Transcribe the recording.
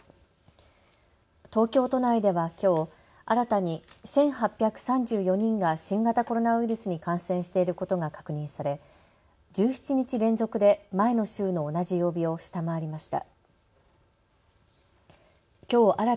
東京都内ではきょう、新たに１８３４人が新型コロナウイルスに感染していることが確認され１７日連続で前の週の同じ曜日を下回りました。